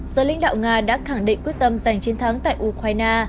do lĩnh đạo nga đã khẳng định quyết tâm giành chiến thắng tại ukraine